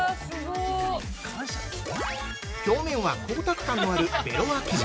◆表面は光沢感のあるベロア生地。